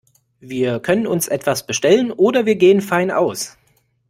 Wir können uns etwas bestellen oder wir gehen fein aus.